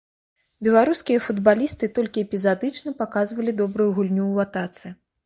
Беларускія футбалісты толькі эпізадычна паказвалі добрую гульню ў атацы.